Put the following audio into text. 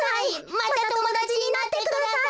またともだちになってください。